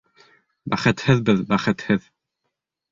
Бәхетһеҙ беҙ, бәхетһеҙ!